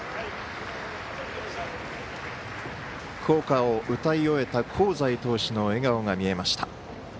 校歌を歌い終えた香西投手の笑顔が見えました。